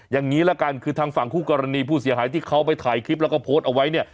อย่างนี้ละกันคือทางฝั่งคู่กรณีผู้เสียหายที่เขาไปถ่ายคลิปแล้วก็โพสต์เอาไว้เนี่ย